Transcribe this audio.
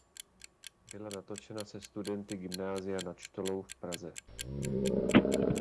Byla natočena se studenty Gymnázia Nad Štolou v Praze.